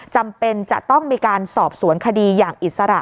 จำเป็นจะต้องมีการสอบสวนคดีอย่างอิสระ